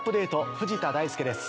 藤田大介です。